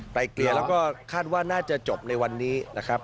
เกลี่ยแล้วก็คาดว่าน่าจะจบในวันนี้นะครับ